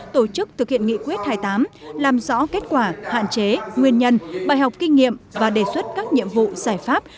tổ chức thực hiện nghị quyết hai mươi tám làm rõ kết quả hạn chế nguyên nhân bài học kinh nghiệm và đề xuất các nhiệm vụ giải pháp